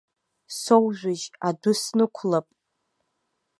Соушәыжь, адәы снықәлап.